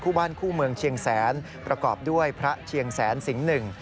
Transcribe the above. บ้านคู่เมืองเชียงแสนประกอบด้วยพระเชียงแสนสิงห์หนึ่ง